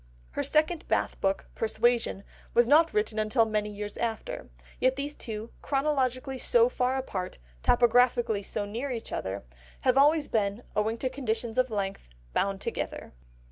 The second Bath book, Persuasion, was not written until many years after, yet these two, chronologically so far apart, topographically so near each other, have always been, owing to conditions of length, bound together.